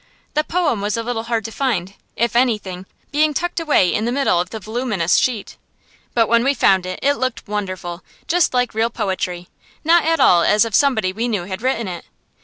The poem was a little hard to find, if anything, being tucked away in the middle of the voluminous sheet. But when we found it, it looked wonderful, just like real poetry, not at all as if somebody we knew had written it.